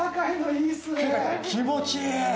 気持ちいい！